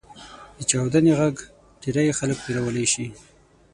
• د چاودنې ږغ ډېری خلک وېرولی شي.